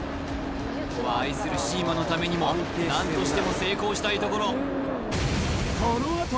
ここは愛するシーマのためにも何としても成功したいところこのあと！